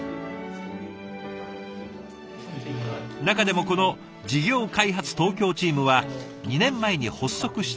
中でもこの事業開発東京チームは２年前に発足したばかり。